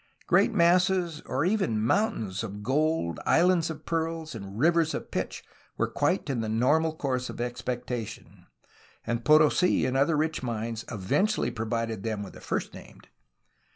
Great masses — or even mountains — of gold, islands of pearls, and rivers of pitch were quite in the normal course of expecta tion,— and Potosi and other rich mines eventually provided them with the first named.